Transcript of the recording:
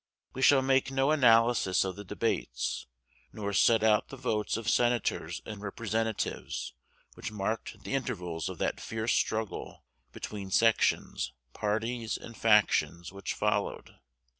We shall make no analysis of the debates, nor set out the votes of senators and representatives which marked the intervals of that fierce struggle between sections, parties, and factions which followed.